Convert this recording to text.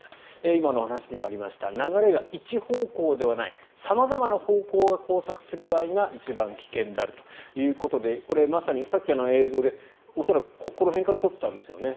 今のお話にもありました流れが一方向ではない様々な方向が交錯する場合が一番危険であるということでこれ、まさにさっきの映像で恐らくこの辺から撮っていたんですよね。